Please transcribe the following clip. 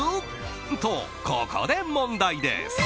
と、ここで問題です。